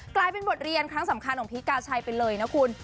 กลายเป็นบทเรียนครั้งสำคัญของพีคกาชัยไปเลยนะคุณ